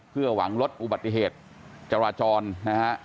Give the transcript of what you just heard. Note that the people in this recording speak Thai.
เพื่อหวังลดอุบัติเหตุจราจรนะฮะ